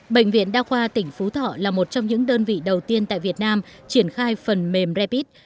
bệnh viện đa khoa tỉnh phú thọ là một trong những đơn vị đầu tiên tại việt nam triển khai phần mềm rapid